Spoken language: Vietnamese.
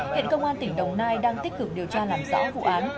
hiện công an tỉnh đồng nai đang tích cực điều tra làm rõ vụ án